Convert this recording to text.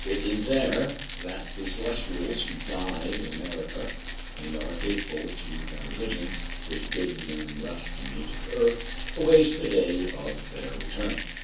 It is there that the Celestials who die in Amer ica, and are faithful to their religion, — which bids them rest in native earth, — await the day of their return.